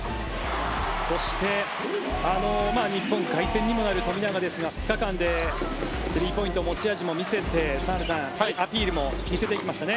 富樫、日本凱旋となって２日間でスリーポイント持ち味を見せて澤部さんアピールも見せてきましたね。